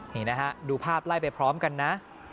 นี่นะฮะดูภาพไล่ไปพร้อมกันนะ